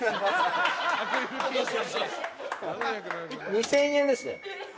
２，０００円ですね。